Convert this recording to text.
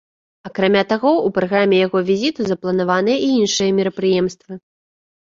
Акрамя таго, у праграме яго візіту запланаваныя і іншыя мерапрыемствы.